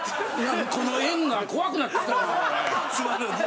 この円が怖くなってきたな俺。